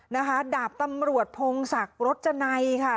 ดาบตำรวจพงศักดิ์รจนัยค่ะ